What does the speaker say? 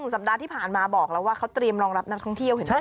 สัปดาห์ที่ผ่านมาบอกแล้วว่าเขาเตรียมรองรับนักท่องเที่ยวเห็นไหม